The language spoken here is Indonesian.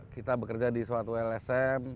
kita bekerja di suatu lsm